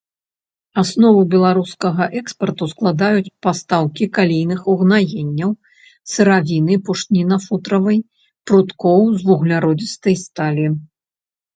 Аснову беларускага экспарту складаюць пастаўкі калійных угнаенняў, сыравіны пушніна-футравай, пруткоў з вугляродзістай сталі.